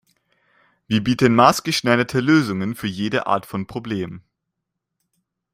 Wir bieten maßgeschneiderte Lösungen für jede Art von Problem!